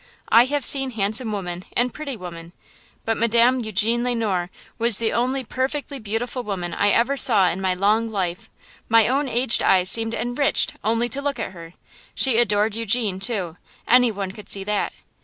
I have seen handsome women and pretty women–but Madame Eugene Le Noir was the only perfectly beautiful woman I ever saw in my long life! My own aged eyes seemed 'enriched' only to look at her! She adored Eugene, too; any one could see that.